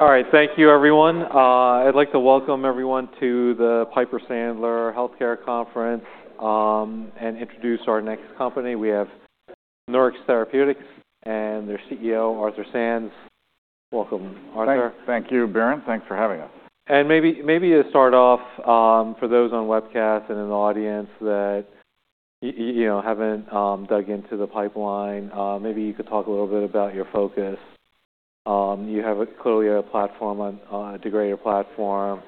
All right. Thank you, everyone. I'd like to welcome everyone to the Piper Sandler Healthcare Conference, and introduce our next company. We have Nurix Therapeutics and their CEO, Arthur Sands. Welcome, Arthur. Thanks. Thank you, Biren. Thanks for having us. And maybe to start off, for those on webcast and in the audience that you know, haven't dug into the pipeline, maybe you could talk a little bit about your focus. You have clearly a platform on, a degrader platform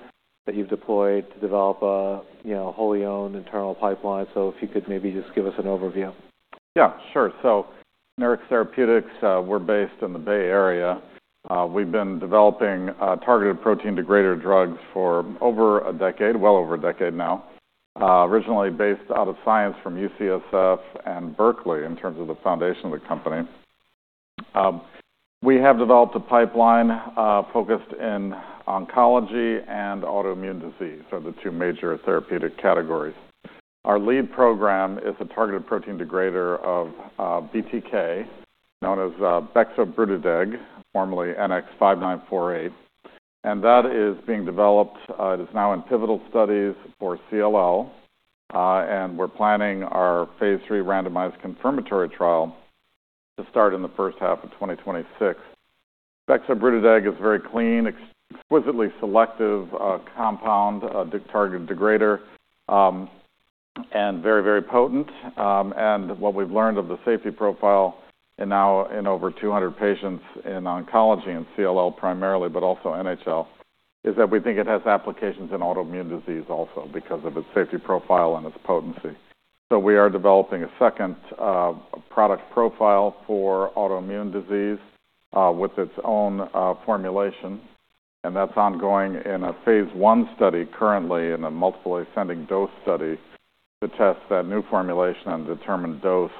that you've deployed to develop a, you know, wholly owned internal pipeline. So if you could maybe just give us an overview. Yeah. Sure. So Nurix Therapeutics, we're based in the Bay Area. We've been developing targeted protein degrader drugs for over a decade, well over a decade now. Originally based out of science from UCSF and Berkeley in terms of the foundation of the company. We have developed a pipeline focused in oncology and autoimmune disease, are the two major therapeutic categories. Our lead program is a targeted protein degrader of BTK, known as Bexovibart, formerly NX-5948. And that is being developed. It is now in pivotal studies for CLL. And we're planning our Phase 3 randomized confirmatory trial to start in the first half of 2026. Bexovibart is a very clean, exquisitely selective compound, targeted degrader, and very, very potent. What we've learned of the safety profile, now in over 200 patients in oncology and CLL primarily, but also NHL, is that we think it has applications in autoimmune disease also because of its safety profile and its potency. So we are developing a second product profile for autoimmune disease with its own formulation. And that's ongoing in a Phase 1 study currently in a multiple ascending dose study to test that new formulation and determine dose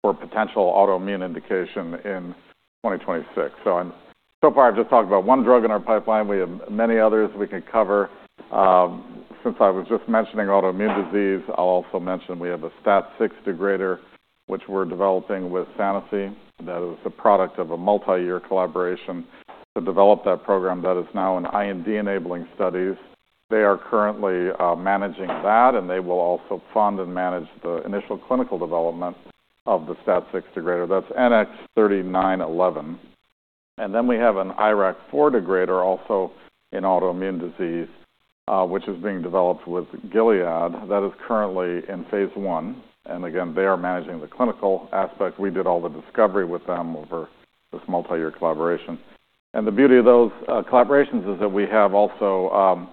for potential autoimmune indication in 2026. So far I've just talked about one drug in our pipeline. We have many others we can cover. Since I was just mentioning autoimmune disease, I'll also mention we have a STAT6 degrader, which we're developing with Sanofi. That is a product of a multi-year collaboration to develop that program that is now in IND-enabling studies. They are currently managing that, and they will also fund and manage the initial clinical development of the STAT6 degrader. That's NX-1607. We have an IRAK-4 degrader also in autoimmune disease, which is being developed with Gilead. That is currently in Phase 1. They are managing the clinical aspect. We did all the discovery with them over this multi-year collaboration. The beauty of those collaborations is that we have also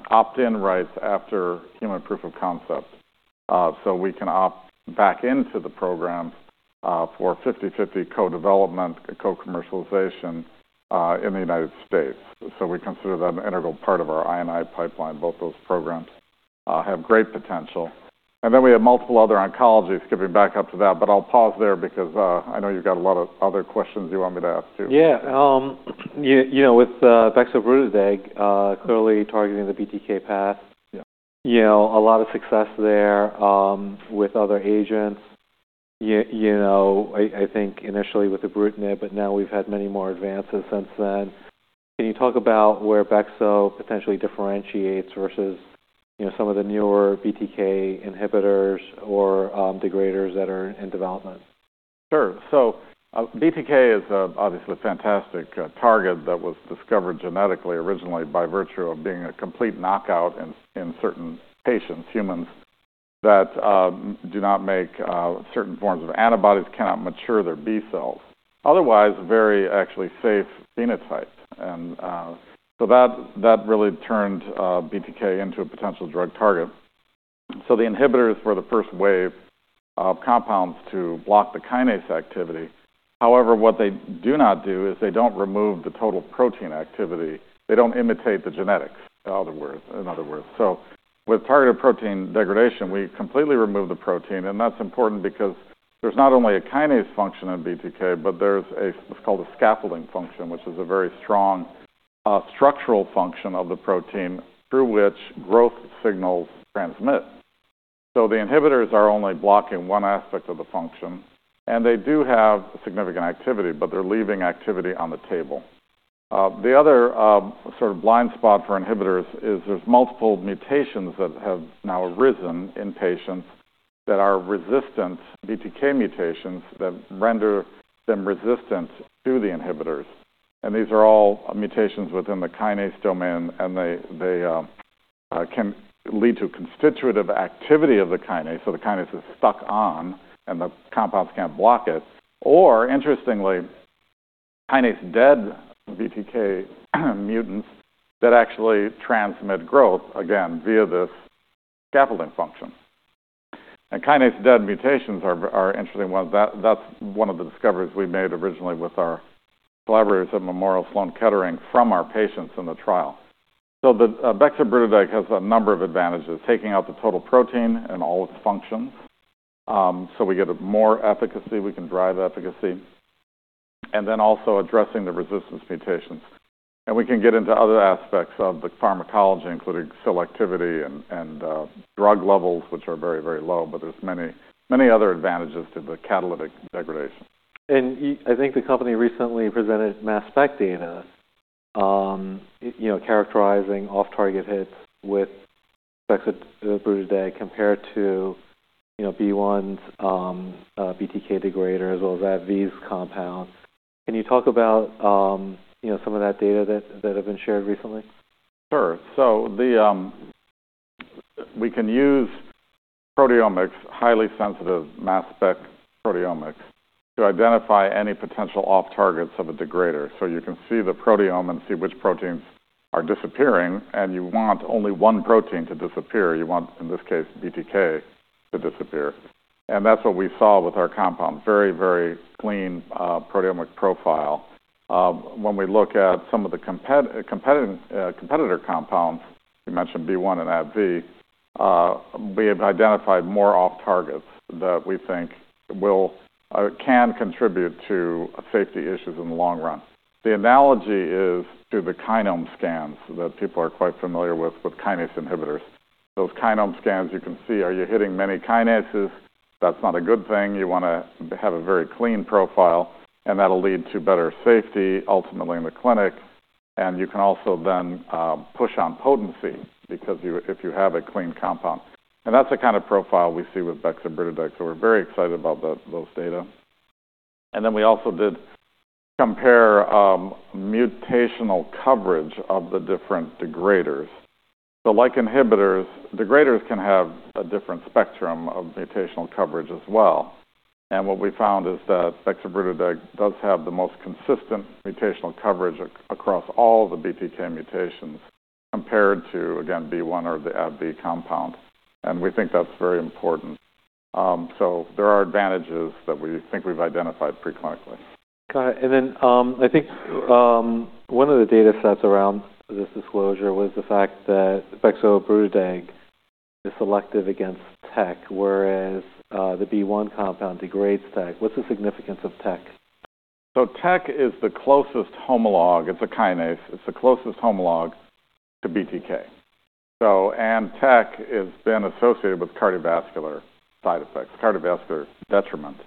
opt-in rights after human proof of concept, so we can opt back into the program for 50/50 co-development, co-commercialization, in the United States. We consider that an integral part of our IND pipeline. Both those programs have great potential. We have multiple other oncologies skipping back up to that, but I'll pause there because I know you've got a lot of other questions you want me to ask too. Yeah. You know, with Bexovibart, clearly targeting the BTK path. Yeah. You know, a lot of success there, with other agents. You know, I think initially with Ibrutinib, but now we've had many more advances since then. Can you talk about where Bexovibart potentially differentiates versus, you know, some of the newer BTK inhibitors or degraders that are in development? Sure. So, BTK is obviously a fantastic target that was discovered genetically originally by virtue of being a complete knockout in certain patients, humans, that do not make certain forms of antibodies, cannot mature their B cells. Otherwise, very actually safe phenotype. And so that really turned BTK into a potential drug target. So the inhibitors were the first wave of compounds to block the kinase activity. However, what they do not do is they don't remove the total protein activity. They don't imitate the genetics, in other words. In other words, so with targeted protein degradation, we completely remove the protein. And that's important because there's not only a kinase function in BTK, but there's what's called a scaffolding function, which is a very strong structural function of the protein through which growth signals transmit. So the inhibitors are only blocking one aspect of the function, and they do have significant activity, but they're leaving activity on the table. The other, sort of blind spot for inhibitors is there's multiple mutations that have now arisen in patients that are resistant BTK mutations that render them resistant to the inhibitors. And these are all mutations within the kinase domain, and they can lead to constitutive activity of the kinase. So the kinase is stuck on, and the compounds can't block it. Or interestingly, kinase dead BTK mutants that actually transmit growth, again, via this scaffolding function. And kinase dead mutations are interesting ones. That's one of the discoveries we made originally with our collaborators at Memorial Sloan Kettering from our patients in the trial. So the Bexovibart has a number of advantages, taking out the total protein and all its functions. So we get more efficacy. We can drive efficacy. And then also addressing the resistance mutations. And we can get into other aspects of the pharmacology, including selectivity and drug levels, which are very, very low, but there's many, many other advantages to the catalytic degradation. You, I think the company recently presented mass spec data, you know, characterizing off-target hits with Bexovibart compared to, you know, BeiGene's BTK degrader, as well as AbbVie's compound. Can you talk about, you know, some of that data that have been shared recently? Sure. So, we can use proteomics, highly sensitive mass spec proteomics, to identify any potential off-targets of a degrader. So you can see the proteome and see which proteins are disappearing, and you want only one protein to disappear. You want, in this case, BTK to disappear. And that's what we saw with our compound. Very, very clean, proteomic profile. When we look at some of the competitive, competitor compounds, you mentioned BeiGene and AbbVie, we have identified more off-targets that we think will, can contribute to safety issues in the long run. The analogy is to the kinome scans that people are quite familiar with, with kinase inhibitors. Those kinome scans you can see, are you hitting many kinases? That's not a good thing. You wanna have a very clean profile, and that'll lead to better safety ultimately in the clinic. And you can also then push on potency because, if you have a clean compound. And that's the kind of profile we see with Bexovibart. So we're very excited about those data. And then we also did compare mutational coverage of the different degraders. So like inhibitors, degraders can have a different spectrum of mutational coverage as well. And what we found is that Bexovibart does have the most consistent mutational coverage across all the BTK mutations compared to, again, BeiGene or the AbbVie compound. And we think that's very important, so there are advantages that we think we've identified preclinically. Got it. And then, I think, one of the data sets around this disclosure was the fact that Bexovibart is selective against TEC, whereas, the BeiGene compound degrades TEC. What's the significance of TEC? TEC is the closest homolog. It's a kinase. It's the closest homolog to BTK. TEC has been associated with cardiovascular side effects, cardiovascular detriment,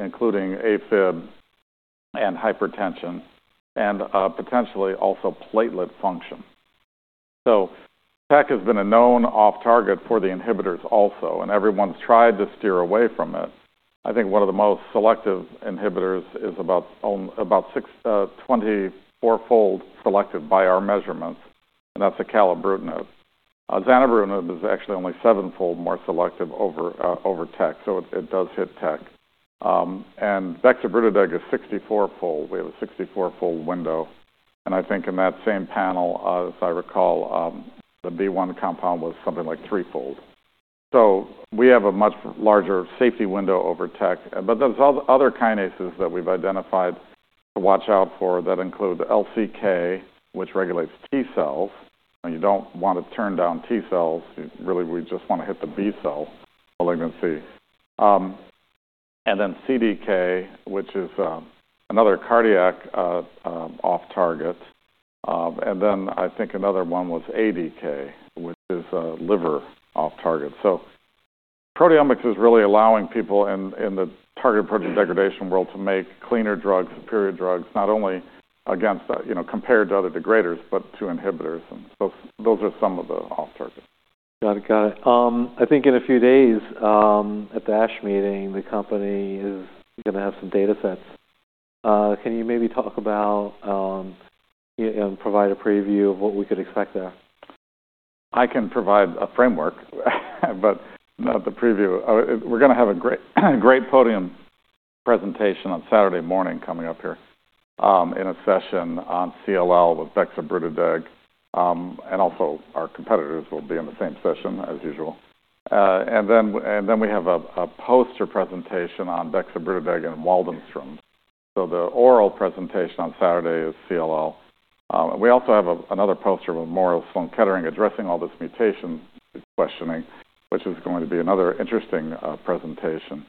including AFib and hypertension and, potentially also platelet function. TEC has been a known off-target for the inhibitors also, and everyone's tried to steer away from it. I think one of the most selective inhibitors is about six, 24-fold selective by our measurements, and that's Acalabrutinib. Zanubrutinib is actually only seven-fold more selective over TEC. It does hit TEC, and Bexovibart is 64-fold. We have a 64-fold window. I think in that same panel, as I recall, the BeiGene compound was something like threefold. We have a much larger safety window over TEC. But there's other kinases that we've identified to watch out for that include LCK, which regulates T cells. You don't wanna turn down T cells. You really, we just wanna hit the B cell malignancy, and then CDK, which is another cardiac off-target, and then I think another one was ADK, which is a liver off-target, so proteomics is really allowing people in the targeted protein degradation world to make cleaner drugs, superior drugs, not only against, you know, compared to other degraders, but to inhibitors, and so those are some of the off-targets. Got it. Got it. I think in a few days, at the ASH meeting, the company is gonna have some data sets. Can you maybe talk about why and provide a preview of what we could expect there? I can provide a framework, but not the preview. We're gonna have a great, great podium presentation on Saturday morning coming up here in a session on CLL with Bexovibart, and then we have a poster presentation on Bexovibart and Waldenström. The oral presentation on Saturday is CLL. We also have another poster of Memorial Sloan Kettering addressing all this mutation questioning, which is going to be another interesting presentation.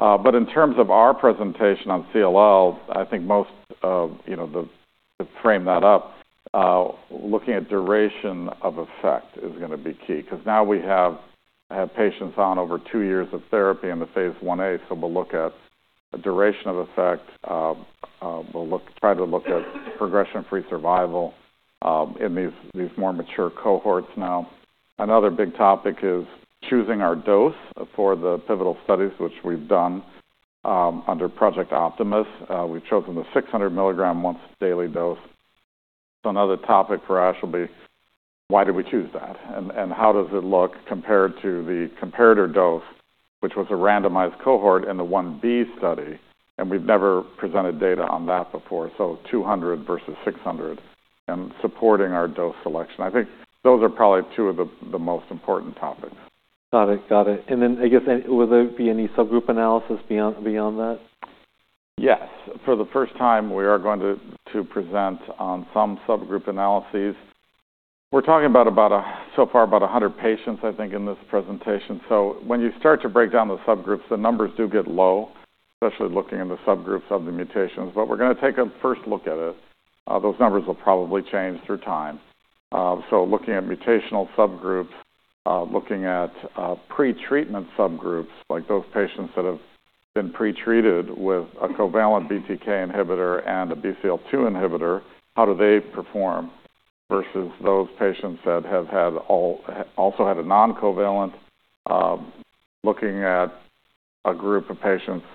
In terms of our presentation on CLL, I think most you know to frame that up, looking at duration of effect is gonna be key 'cause now we have patients on over two years of therapy in the Phase 1a. We'll look at a duration of effect. We'll look at progression-free survival in these more mature cohorts now. Another big topic is choosing our dose for the pivotal studies, which we've done under Project Optimus. We've chosen the 600 mg once daily dose. Another topic for ASH will be why we chose that and how it looks compared to the comparator dose, which was a randomized cohort in the Phase 1b study. We've never presented data on that before. 200 versus 600 and supporting our dose selection. I think those are probably two of the most important topics. Got it. Got it. And then I guess, will there be any subgroup analysis beyond that? Yes. For the first time, we are going to present on some subgroup analyses. We're talking about a, so far about 100 patients, I think, in this presentation. So when you start to break down the subgroups, the numbers do get low, especially looking in the subgroups of the mutations. But we're gonna take a first look at it. Those numbers will probably change through time. So looking at mutational subgroups, looking at pretreatment subgroups, like those patients that have been pretreated with a covalent BTK inhibitor and a BCL-2 inhibitor, how do they perform versus those patients that have had all, also had a non-covalent? Looking at a group of patients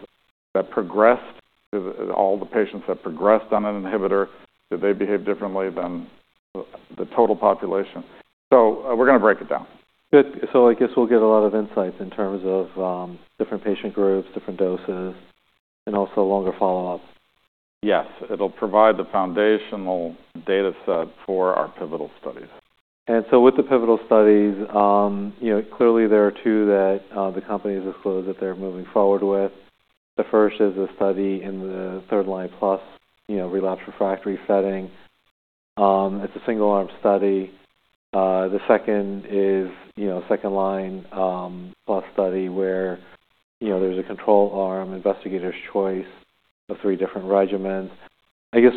that progressed, all the patients that progressed on an inhibitor, did they behave differently than the total population? So, we're gonna break it down. Good. So I guess we'll get a lot of insights in terms of different patient groups, different doses, and also longer follow-ups. Yes. It'll provide the foundational data set for our pivotal studies. And so with the pivotal studies, you know, clearly there are two that the company has disclosed that they're moving forward with. The first is a study in the third-line plus, you know, relapse-refractory setting. It's a single-arm study. The second is, you know, second-line plus study where, you know, there's a control arm, investigator's choice of three different regimens. I guess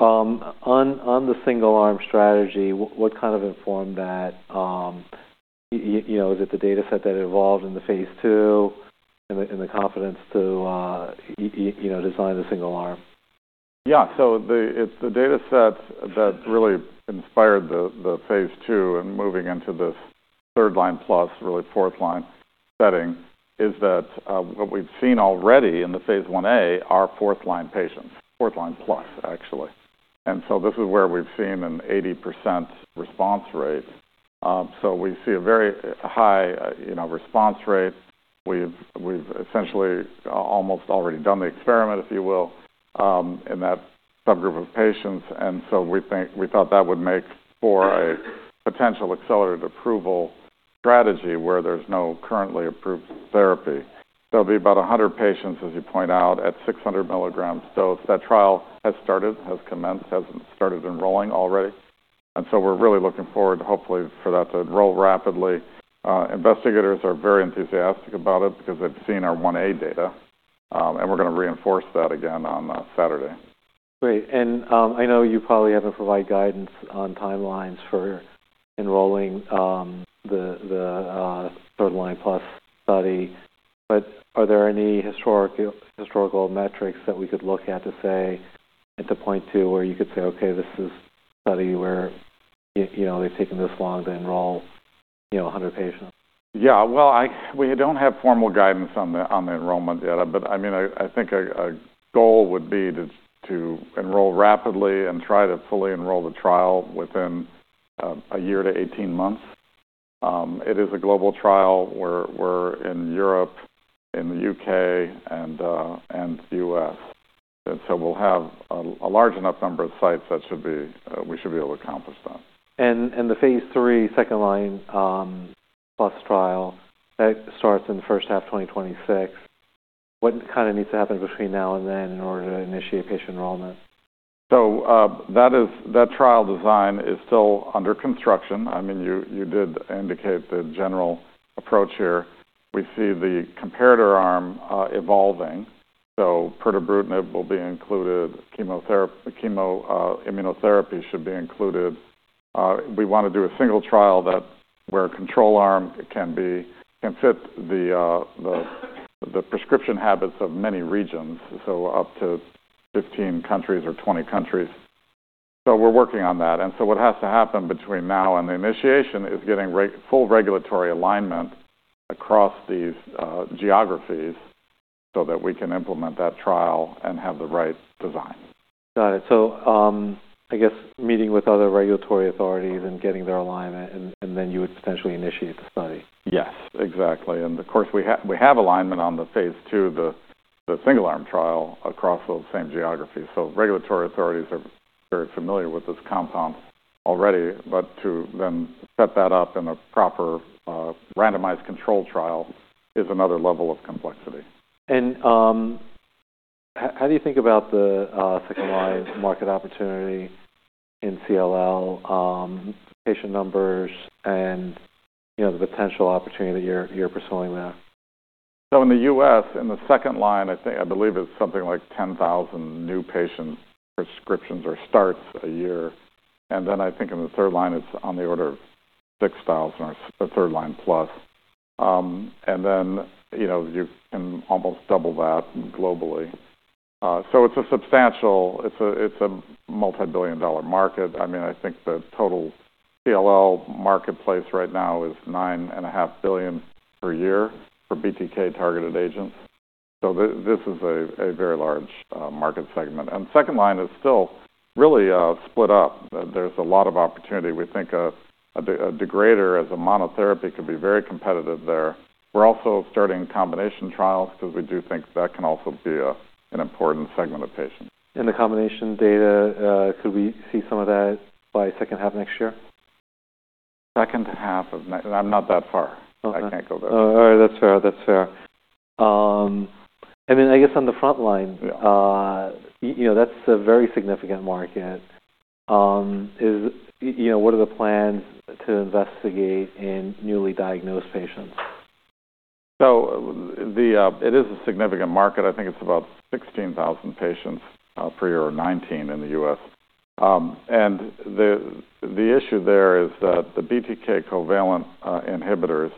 on the single-arm strategy, what kind of informed that, you know, is it the data set that evolved in the Phase 2 and the confidence to, you know, design the single-arm? Yeah. So the data set that really inspired the Phase 2 and moving into this third line plus, really fourth line setting is that what we've seen already in the phase Phase 1a are fourth line patients, fourth line plus actually. And so this is where we've seen an 80% response rate. So we see a very high, you know, response rate. We've essentially almost already done the experiment, if you will, in that subgroup of patients. And so we think we thought that would make for a potential accelerated approval strategy where there's no currently approved therapy. There'll be about 100 patients, as you point out, at 600 mgs dose. That trial has started, has commenced, has started enrolling already. And so we're really looking forward, hopefully, for that to enroll rapidly. Investigators are very enthusiastic about it because they've seen our Phase 1a data. and we're gonna reinforce that again on Saturday. Great. And, I know you probably haven't provided guidance on timelines for enrolling, the third line plus study, but are there any historical metrics that we could look at to say, at the point to where you could say, okay, this is study where, you know, they've taken this long to enroll, you know, 100 patients? Yeah. Well, we don't have formal guidance on the enrollment data, but I mean, I think a goal would be to enroll rapidly and try to fully enroll the trial within a year to 18 months. It is a global trial where in Europe, in the U.K., and U.S. And so we'll have a large enough number of sites that we should be able to accomplish that. The Phase 3 second line, plus trial that starts in the first half of 2026, what kinda needs to happen between now and then in order to initiate patient enrollment? So, that trial design is still under construction. I mean, you did indicate the general approach here. We see the comparator arm evolving. So Pirtobrutinib will be included, chemotherapy, chemoimmunotherapy should be included. We wanna do a single trial that where a control arm can be, can fit the prescription habits of many regions, so up to 15 countries or 20 countries. So we're working on that. And so what has to happen between now and the initiation is getting full regulatory alignment across these geographies so that we can implement that trial and have the right design. Got it. So, I guess meeting with other regulatory authorities and getting their alignment, and then you would potentially initiate the study. Yes. Exactly, and of course we have alignment on the Phase 2, the single arm trial across those same geographies, so regulatory authorities are very familiar with this compound already, but to then set that up in a proper, randomized control trial is another level of complexity. How do you think about the second line market opportunity in CLL, patient numbers and, you know, the potential opportunity that you're pursuing there? In the U.S., in the second line, I think. I believe it's something like 10,000 new patient prescriptions or starts a year. Then I think in the third line, it's on the order of 6,000 or so the third line plus. And then, you know, you can almost double that globally, so it's a substantial. It's a multi-billion-dollar market. I mean, I think the total CLL marketplace right now is $9.5 billion per year for BTK targeted agents. This is a very large market segment. And second line is still really split up. There's a lot of opportunity. We think a degrader as a monotherapy could be very competitive there. We're also starting combination trials 'cause we do think that can also be an important segment of patients. The combination data, could we see some of that by second half next year? Second half of ne. I'm not that far. Okay. I can't go there. Oh, all right. That's fair. That's fair. I mean, I guess on the front line. Yeah. You know, that's a very significant market. You know, what are the plans to investigate in newly diagnosed patients? It is a significant market. I think it's about 16,000 patients per year or so in the U.S. And the issue there is that the BTK covalent inhibitors,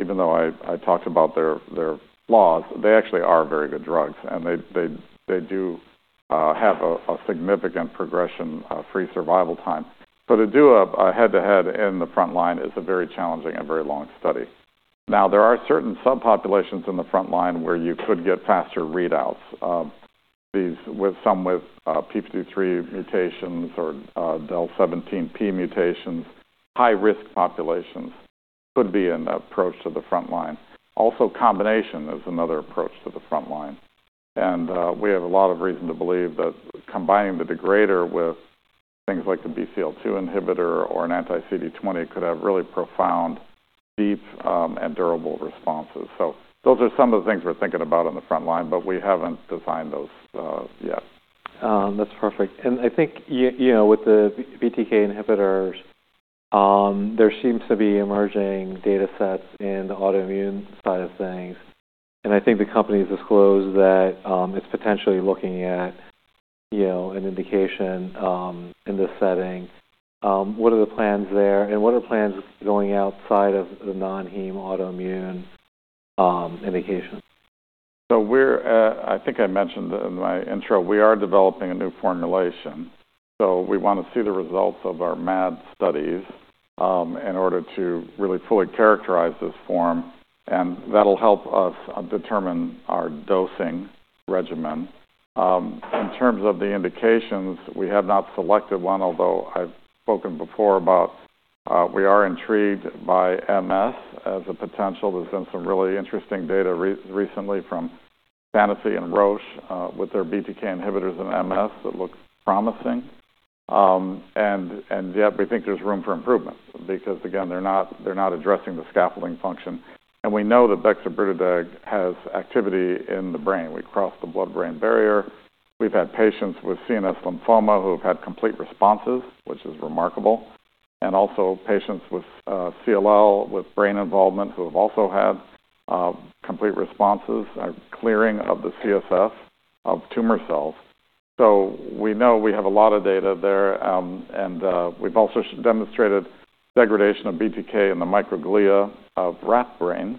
even though I talked about their flaws, they actually are very good drugs and they do have a significant progression-free survival time. But to do a head-to-head in the front line is a very challenging and very long study. Now, there are certain subpopulations in the front line where you could get faster readouts. These with p53 mutations or del(17p) mutations, high-risk populations could be an approach to the front line. Also, combination is another approach to the front line. We have a lot of reason to believe that combining the degrader with things like the BCL-2 inhibitor or an anti-CD20 could have really profound, deep, and durable responses. So those are some of the things we're thinking about on the front line, but we haven't designed those yet. That's perfect. And I think you know, with the BTK inhibitors, there seems to be emerging data sets in the autoimmune side of things. And I think the company's disclosed that, it's potentially looking at, you know, an indication, in this setting. What are the plans there? And what are plans going outside of the non-heme autoimmune, indication? So we're. I think I mentioned in my intro, we are developing a new formulation. We want to see the results of our MAD studies in order to really fully characterize this form. And that'll help us determine our dosing regimen. In terms of the indications, we have not selected one, although I've spoken before about we are intrigued by MS as a potential. There's been some really interesting data recently from Sanofi and Roche with their BTK inhibitors and MS that look promising. And yet we think there's room for improvement because again, they're not addressing the scaffolding function. And we know that Bexovibart has activity in the brain. We cross the blood-brain barrier. We've had patients with CNS lymphoma who have had complete responses, which is remarkable. Also, patients with CLL with brain involvement who have also had complete responses, clearing of the CSF of tumor cells. So we know we have a lot of data there. We've also demonstrated degradation of BTK in the microglia of rat brains,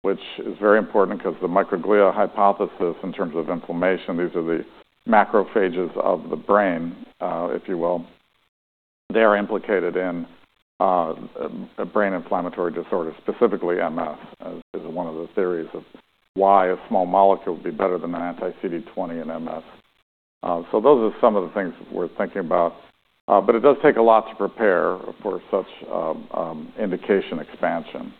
which is very important 'cause the microglia hypothesis in terms of inflammation. These are the macrophages of the brain, if you will. They are implicated in brain inflammatory disorders. Specifically, MS is one of the theories of why a small molecule would be better than an anti-CD20 in MS. Those are some of the things we're thinking about. It does take a lot to prepare for such indication expansion.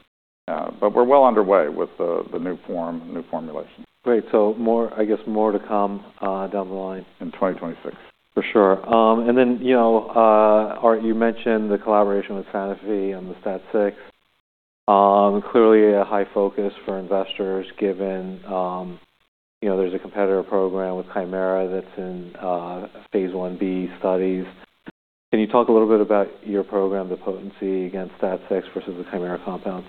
We're well underway with the new form, new formulation. Great. So more, I guess more to come, down the line. In 2026. For sure, and then, you know, or you mentioned the collaboration with Sanofi and the STAT6, clearly a high focus for investors given, you know, there's a competitor program with Kymera that's in Phase 1b studies. Can you talk a little bit about your program, the potency against STAT6 versus the Kymera compound?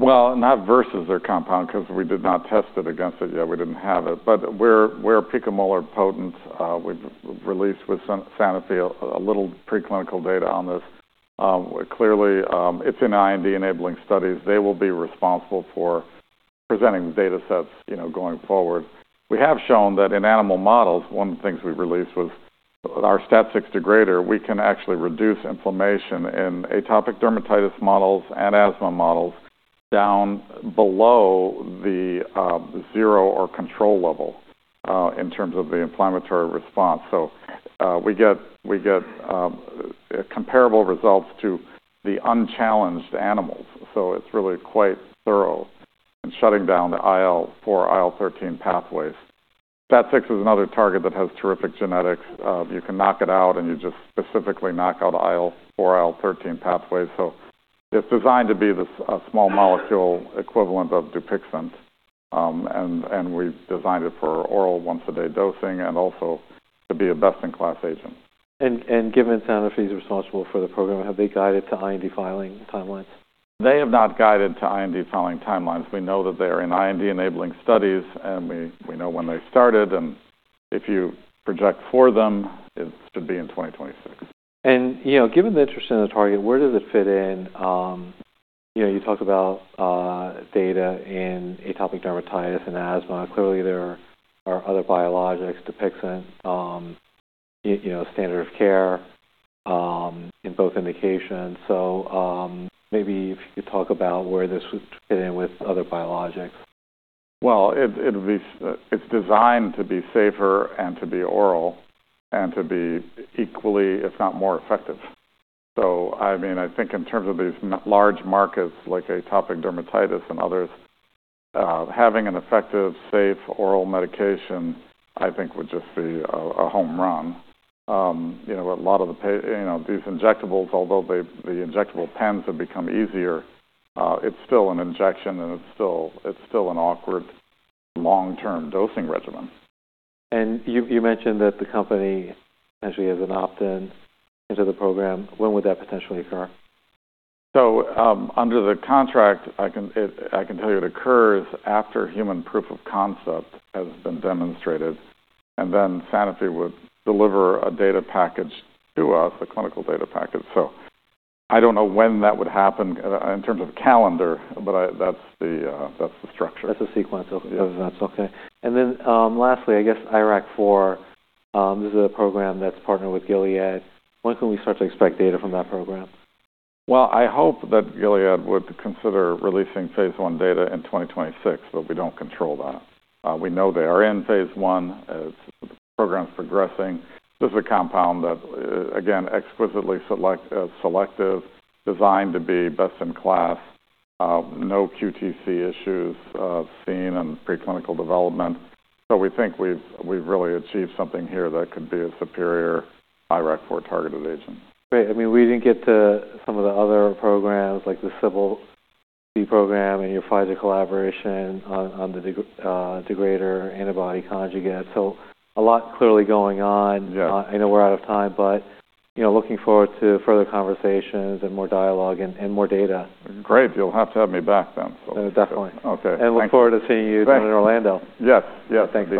Well, not versus their compound 'cause we did not test it against it yet. We didn't have it. But we're picomolar potent. We've released with Sanofi a little preclinical data on this. Clearly, it's in IND-enabling studies. They will be responsible for presenting data sets, you know, going forward. We have shown that in animal models, one of the things we released was our STAT6 degrader. We can actually reduce inflammation in atopic dermatitis models and asthma models down below the zero or control level, in terms of the inflammatory response. So, we get comparable results to the unchallenged animals. So it's really quite thorough in shutting down the IL-4, IL-13 pathways. STAT6 is another target that has terrific genetics. You can knock it out and you just specifically knock out IL-4, IL-13 pathways. So it's designed to be this small molecule equivalent of Dupixent. We've designed it for oral once-a-day dosing and also to be a best-in-class agent. Given Sanofi's responsible for the program, have they guided to IND filing timelines? They have not guided to IND filing timelines. We know that they are in IND-enabling studies and we know when they started, and if you project for them, it should be in 2026. You know, given the interest in the target, where does it fit in? You know, you talked about data in atopic dermatitis and asthma. Clearly, there are other biologics, Dupixent, you know, standard of care, in both indications. So, maybe if you could talk about where this would fit in with other biologics. It would be designed to be safer and to be oral and to be equally, if not more effective. So, I mean, I think in terms of these large markets like atopic dermatitis and others, having an effective, safe oral medication, I think would just be a home run. You know, a lot of the patients, you know, these injectables, although the injectable pens have become easier, it's still an injection and it's still an awkward long-term dosing regimen. You mentioned that the company actually has an opt-in into the program. When would that potentially occur? So, under the contract, I can tell you it occurs after human proof of concept has been demonstrated. And then Sanofi would deliver a data package to us, a clinical data package. So I don't know when that would happen, in terms of calendar, but that's the structure. That's the sequence of events. Okay. And then, lastly, I guess IRAK-4, this is a program that's partnered with Gilead. When can we start to expect data from that program? I hope that Gilead would consider releasing phase 1 data in 2026, but we don't control that. We know they are in phase 1. It's the program's progressing. This is a compound that, again, exquisitely selective, designed to be best in class. No QTc issues seen in preclinical development. So we think we've really achieved something here that could be a superior IRAK-4 targeted agent. Great. I mean, we didn't get to some of the other programs like the Cbl-b program and your Pfizer collaboration on the degrader antibody conjugate. So a lot clearly going on. Yeah. I know we're out of time, but you know, looking forward to further conversations and more dialogue and more data. Great. You'll have to have me back then, so. Definitely. Okay. Look forward to seeing you down in Orlando. Yes. Yes. Thank you.